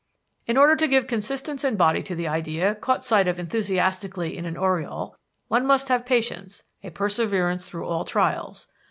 "In order to give consistence and body to the idea caught sight of enthusiastically in an aureole, one must have patience, a perseverance through all trials.